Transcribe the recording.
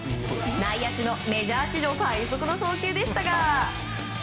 内野手のメジャー史上最速の送球でした。